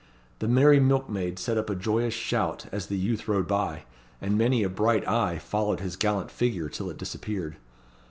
The merry milkmaids set up a joyous shout as the youth rode by; and many a bright eye followed his gallant figure till it disappeared.